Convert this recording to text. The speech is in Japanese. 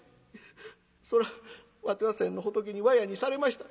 そらわては先の仏にわやにされました。